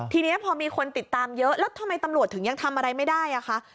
ทีนี้พอมีคนติดตามเยอะแล้วทำไมตำรวจถึงยังทำอะไรไม่ได้อ่ะคะ